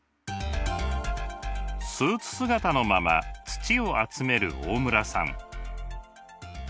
スーツ姿のまま土を集める大村さん。